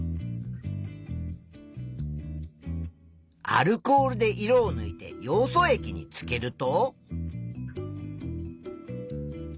アルコールで色をぬいてヨウ素液につけると。